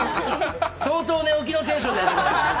相当寝起きのテンションでやってますから。